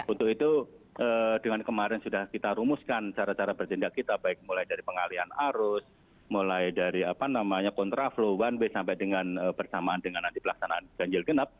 untuk itu dengan kemarin sudah kita rumuskan cara cara bertindak kita baik mulai dari pengalian arus mulai dari apa namanya kontra flow one way sampai dengan bersamaan dengan nanti pelaksanaan ganjil genap